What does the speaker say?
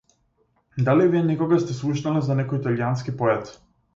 Дали вие некогаш сте слушнале за некој италијански поет?